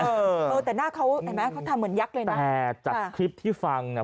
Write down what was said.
เออเออแต่หน้าเขาเห็นไหมเขาทำเหมือนยักษ์เลยนะแต่จากคลิปที่ฟังน่ะ